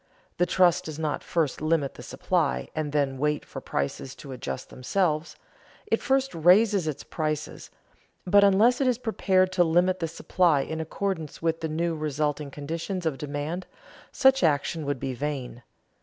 The trust does not first limit the supply, and then wait for prices to adjust themselves; it first raises its prices, but unless it is prepared to limit the supply in accordance with the new resulting conditions of demand, such action would be vain.